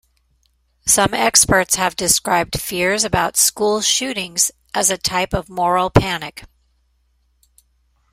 Some experts have described fears about school shootings as a type of moral panic.